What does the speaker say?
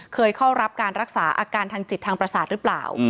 เคยเข้ารับการรักษาอาการทางจิตทางประสาทหรือเปล่า